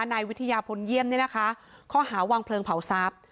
นายวิทยาพลเยี่ยมเนี่ยนะคะข้อหาวางเพลิงเผาทรัพย์